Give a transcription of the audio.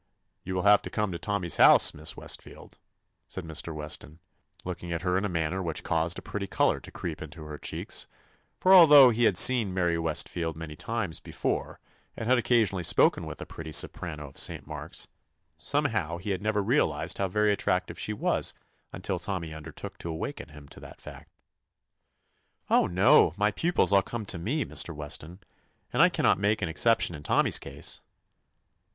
"You will have to come to Tommy's house, Miss Westfield," said Mr. TOMMY POSTOFFICE Weston, looking at her in a manner which caused a pretty color to creep into her cheeks, for although he had seen Mary Westfield many times be fore, and had occasionally spoken with the pretty soprano of St. Mark's, somehow he had never realized how very attractive she was until Tommy undertook to awaken him to that fact. "Oh, no. My pupils all come to me» Mr. Weston, and I cannot make an exception in Tommy's case."